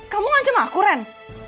kamu ancam aku ren